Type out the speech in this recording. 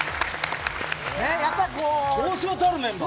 そうそうたるメンバー。